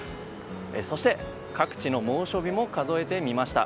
そして、各地の猛暑日も数えてみました。